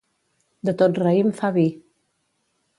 De tot raïm fa vi.